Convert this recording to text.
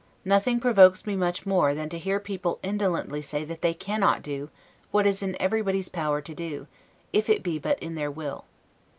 Nothing provokes me much more, than to hear people indolently say that they cannot do, what is in everybody's power to do, if it be but in their will.